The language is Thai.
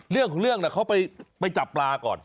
เรื่องของเรื่องเขาไปจับปลาก่อน